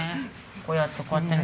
こうやってこうやってね。